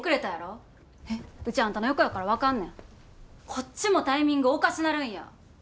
こっちもタイミングおかしなるんや。